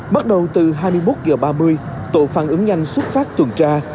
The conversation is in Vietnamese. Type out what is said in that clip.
bắt đầu từ hai mươi một h ba mươi tổ phản ứng nhanh xuất phát tuần tra